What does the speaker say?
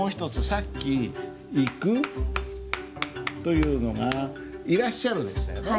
さっき「行く」というのが「いらっしゃる」でしたよね？